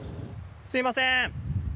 すみません。